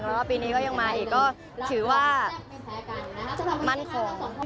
แล้วปีนี้ก็ยังมาอีกก็ถือว่ามั่นคง